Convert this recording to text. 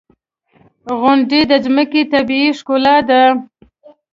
• غونډۍ د ځمکې طبیعي ښکلا ده.